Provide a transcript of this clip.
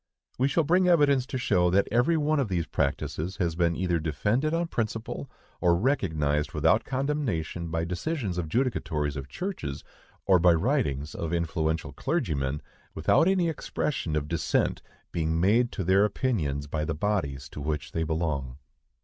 We shall bring evidence to show that every one of these practices has been either defended on principle, or recognized without condemnation, by decisions of judicatories of churches, or by writings of influential clergymen, without any expression of dissent being made to their opinions by the bodies to which they belong.